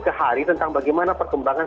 ke hari tentang bagaimana perkembangan